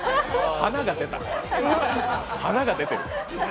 華が出てる。